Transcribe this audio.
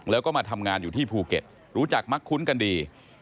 แล้วก็มาทำงานอยู่ที่ภูเก็ตรู้จักมักคุ้นกันดี